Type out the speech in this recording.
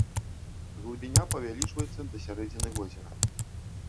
Глыбіня павялічваецца да сярэдзіны возера.